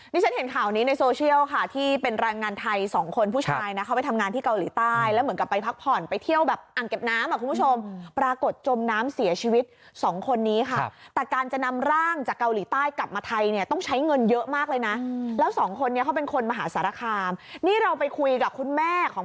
ที่ฉันเห็นข่าวนี้ในโซเชียลค่ะที่เป็นแรงงานไทยสองคนผู้ชายนะเขาไปทำงานที่เกาหลีใต้แล้วเหมือนกับไปพักผ่อนไปเที่ยวแบบอ่างเก็บน้ำอ่ะคุณผู้ชมปรากฏจมน้ำเสียชีวิตสองคนนี้ค่ะแต่การจะนำร่างจากเกาหลีใต้กลับมาไทยเนี่ยต้องใช้เงินเยอะมากเลยนะแล้วสองคนนี้เขาเป็นคนมหาสารคามนี่เราไปคุยกับคุณแม่ของ